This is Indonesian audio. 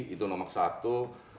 itu nomor satu